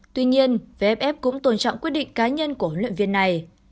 tuy nhiên vff cũng tôn trọng quyết định cá nhân của huấn luyện viên này